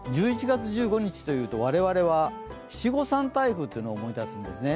１１月１５日というと我々は七五三台風というのを思い出すんですね。